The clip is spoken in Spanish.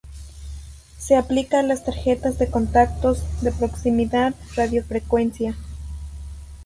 Se aplica a las tarjetas de contactos, de proximidad, radiofrecuencia...